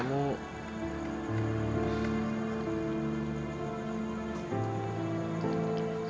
ini jawaban aku